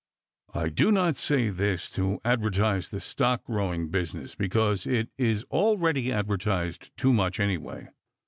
I do not say this to advertise the stock growing business, because it is already advertised too much, anyway.